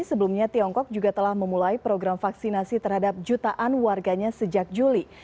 sebelumnya tiongkok juga telah memulai program vaksinasi terhadap jutaan warganya sejak juli